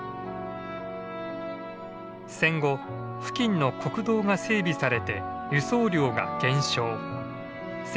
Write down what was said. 戦後付近の国道が整備されて輸送量が減少。